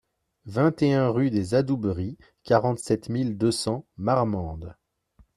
vingt et un rue des Adouberies, quarante-sept mille deux cents Marmande